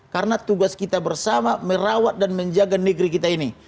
karena tugas kita bersama merawat dan menjaga negeri kita ini